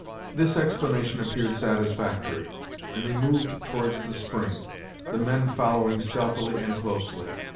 This explanation appeared satisfactory, and they moved towards the spring, the men following stealthily and closely.